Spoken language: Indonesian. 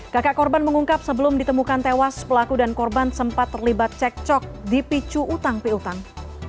kakak korban mengungkap sebelum ditemukan tewas pelaku dan korban sempat terlibat cek cok di picu utang piutang